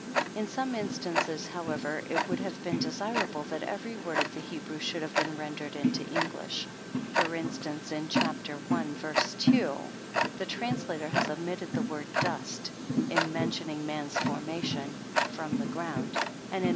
In some instances however, it would have been desirable that every word of the Hebrew should have been rendered into English. For instance, in ch. i, v. 2, the translator has omitted the word dust, in mentioning man's formation " from the ground," and in v.